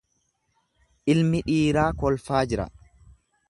Ilmi dhiiraa kolfaa jira.